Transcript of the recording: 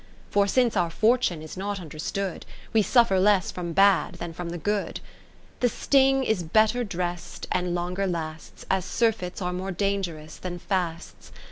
70 For since our fortune is not under stood, We suffer less from bad than from the good. The sting is better dress'd and longer lasts. As surfeits are more dangerous than fasts.